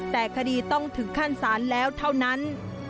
แต่คดีต้องถึงขั้นศาลแล้วเท่านั้น